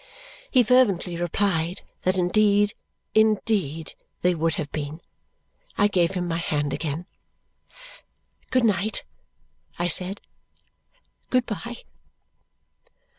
He fervently replied that indeed indeed they would have been. I gave him my hand again. "Good night," I said, "Good bye."